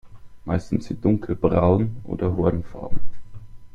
Meist sind sie dunkelbraun oder hornfarben.